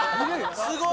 すごい！